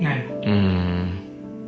うん。